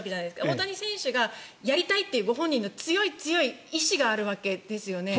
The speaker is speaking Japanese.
大谷選手がやりたいというご本人の強い強い意思があるわけですよね。